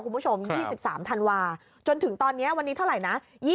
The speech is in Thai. คุณผู้ชม๒๓ธันวาจนถึงตอนนี้วันนี้เท่าไหร่นะ